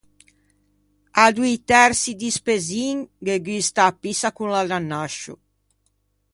À doî tersi di spezzin ghe gusta a pissa con l’ananascio.